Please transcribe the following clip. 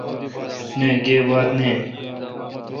نہ گیب بات نین۔